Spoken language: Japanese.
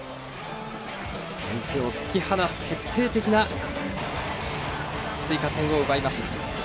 相手を突き放す決定的な追加点を奪いました。